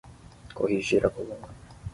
Corrigir a coluna